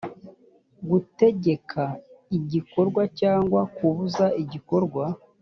gutegeka igikorwa cyangwa kubuza igikorwa